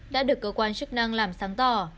đã được cơ quan chức năng làm sáng tỏ